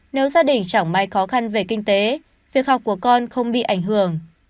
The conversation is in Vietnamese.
nếu gia đình chẳng may khó khăn về kinh tế việc học của con không bị ảnh hưởng